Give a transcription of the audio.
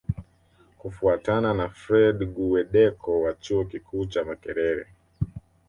Kufuatana na Fred Guweddeko wa Chuo Kikuu cha Makerere